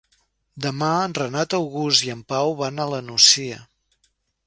Demà en Renat August i en Pau van a la Nucia.